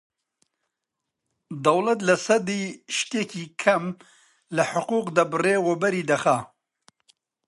دەوڵەت لە سەدی شتێکی کەم لە حقووق دەبڕێ، وەبەری دەخا